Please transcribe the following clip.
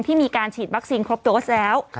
มีการฉีดวัคซีนครบโดสแล้ว